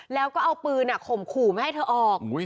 แล้วก็เอาปืนข่มขู่ไม่ให้เธอออก